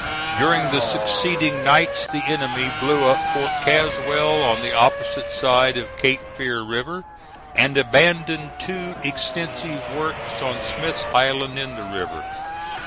During the succeeding nights the enemy blew up Fort Caswell on the opposite side of Cape Fear River, and abandoned two extensive works on Smith's Island in the river.